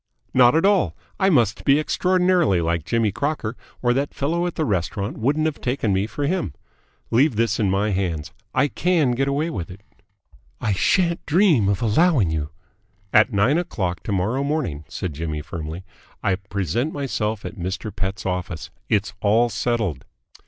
"Not at all. I must be extraordinarily like Jimmy Crocker, or that fellow at the restaurant wouldn't have taken me for him. Leave this in my hands. I can get away with it." "I shan't dream of allowing you " "At nine o'clock to morrow morning," said Jimmy firmly, "I present myself at Mr. Pett's office. It's all settled."